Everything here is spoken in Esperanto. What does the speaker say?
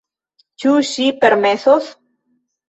Ĉu ŝi permesos,?